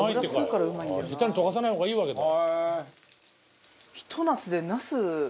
下手に溶かさない方がいいわけだ。